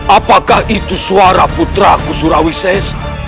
apakah itu suara putraku surawises